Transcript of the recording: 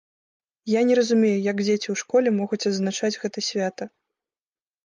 Я не разумею, як дзеці ў школе могуць адзначаць гэта свята.